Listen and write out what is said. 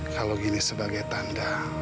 kalau gini sebagai tanda